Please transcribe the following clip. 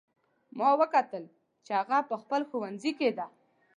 ما وکتل چې هغه په خپل ښوونځي کې ده